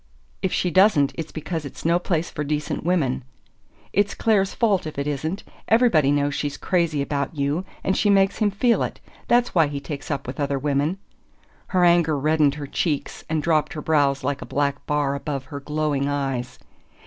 "If she doesn't, it's because it's no place for decent women." "It's Clare's fault if it isn't. Everybody knows she's crazy about you, and she makes him feel it. That's why he takes up with other women." Her anger reddened her cheeks and dropped her brows like a black bar above her glowing eyes.